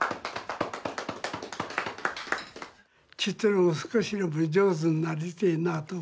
ちっとでも少しでも上手になりてえなと。